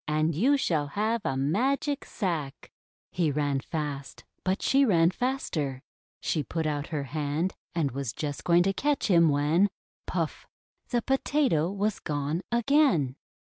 And you shall have a Magic Sack!'' He ran fast, but she ran faster. She put out her hand, and was just going to catch him, when — puff! the Potato was gone again